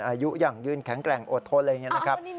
อายุอย่างยืนแข็งแกร่งอดทนอะไรอย่างนี้นะครับ